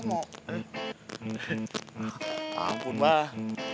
ya ampun pak